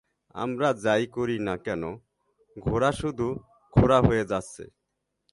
আমরা যাই করি না কেন, ঘোড়া শুধু খোঁড়া হয়ে যাচ্ছে।